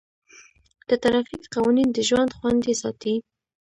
د ټرافیک قوانین د ژوند خوندي ساتي.